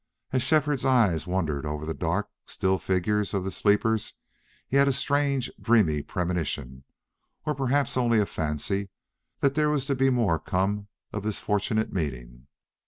As Shefford's eye wandered over the dark, still figures of the sleepers he had a strange, dreamy premonition, or perhaps only a fancy, that there was to be more come of this fortunate meeting.